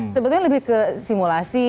sebetulnya lebih ke simulasi